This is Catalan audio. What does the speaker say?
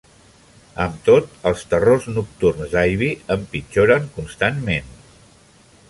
Amb tot, els terrors nocturns d'Ivy empitjoren constantment.